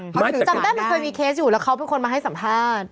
เขาถือจำได้มันเคยมีเคสอยู่แล้วเขาเป็นคนมาให้สัมภาษณ์